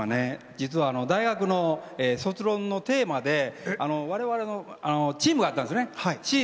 実は大学の卒論のテーマで我々のチームがあったんですね。